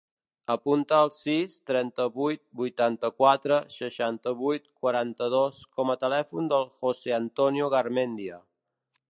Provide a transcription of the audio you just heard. Apunta el sis, trenta-vuit, vuitanta-quatre, seixanta-vuit, quaranta-dos com a telèfon del José antonio Garmendia.